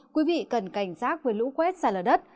quý vị cần cảnh giác với lũ quét xa lở đất